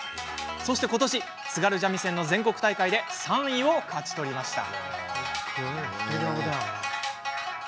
そしてことし、津軽三味線の全国大会で３位を勝ち取りました。